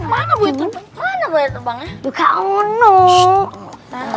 mana buaya terbangnya